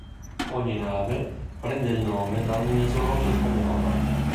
Ogni nave prende il nome da un isolotto spagnolo.